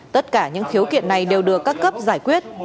tất cả những khiếu kiện này đều được các cấp giải quyết